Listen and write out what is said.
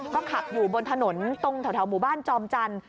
ก็ขับอยู่บนถนนตรงแถวหมู่บ้านจอมจันทร์